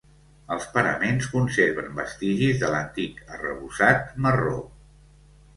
Els paraments conserven vestigis de l'antic arrebossat, marró.